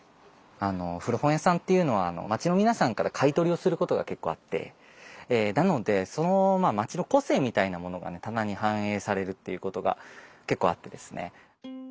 古本屋さんっていうのは街の皆さんから買い取りをすることが結構あってなのでその街の個性みたいなものがね棚に反映されるっていうことが結構あってですね。